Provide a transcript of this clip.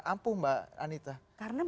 ampuh mbak anitta karena